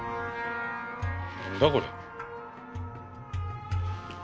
何だこれ。